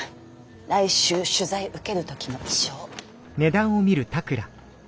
来週取材受ける時の衣装。